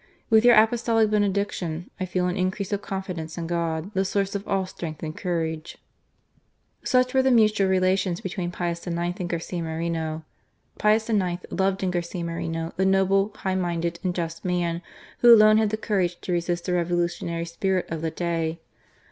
With your Apostolic benediction, I feel an increase of confidence in God, the source of all strength and courage." Such were the mutual relations between Pius IX. and Garcia Moreno. Pius IX. loved in Garcia Moreno the noble, high minded, and just man, who alone had the courage to resist the revolutionary spirit of the day.